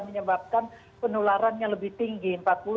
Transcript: menyebabkan penularannya lebih tinggi